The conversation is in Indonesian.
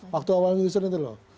waktu awal ius solis itu loh